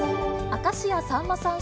明石家さんまさん